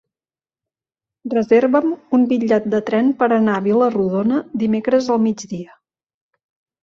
Reserva'm un bitllet de tren per anar a Vila-rodona dimecres al migdia.